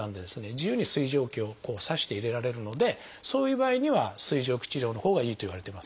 自由に水蒸気を刺して入れられるのでそういう場合には水蒸気治療のほうがいいといわれています。